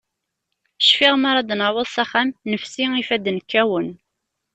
Cfiɣ, mi ara d-naweḍ s axxam, nefsi, ifadden kkawen.